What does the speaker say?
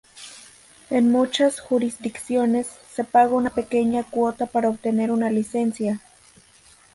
En muchas jurisdicciones se paga una pequeña cuota para obtener una licencia.